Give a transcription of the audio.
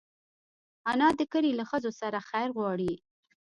انا د کلي له ښځو سره خیر غواړي